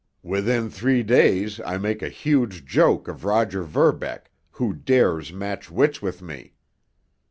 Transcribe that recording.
Within three days I make a huge joke of Roger Verbeck, who dares match wits with me!